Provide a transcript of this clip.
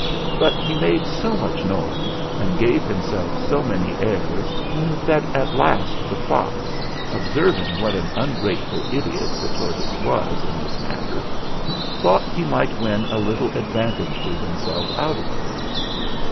But he made so much noise and gave himself so many airs that at last the fox, observing what an ungrateful idiot the tortoise was in this mat ter, thought he might win a little advantage to himself out of it.